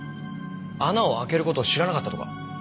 穴を開ける事を知らなかったとか？